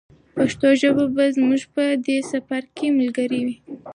پښتو ژبه به زموږ په دې سفر کې ملګرې وي.